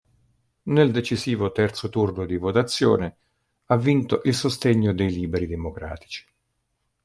Nel decisivo terzo turno di votazione, ha vinto il sostegno dei Liberi Democratici.